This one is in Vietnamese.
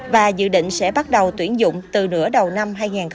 và dự định sẽ bắt đầu tuyển dụng từ nửa đầu năm hai nghìn hai mươi